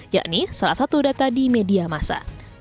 yakni salah satu data di media masa